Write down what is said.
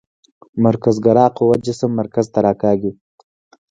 مرکزګرا قوه جسم مرکز ته راکاږي.